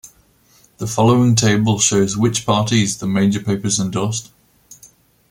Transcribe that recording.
The following table shows which parties the major papers endorsed.